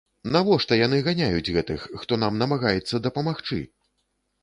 Навошта яны ганяюць гэтых, хто нам намагаецца дапамагчы?!